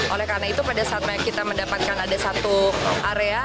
oleh karena itu pada saat kita mendapatkan ada satu area